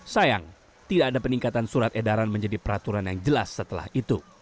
sayang tidak ada peningkatan surat edaran menjadi peraturan yang jelas setelah itu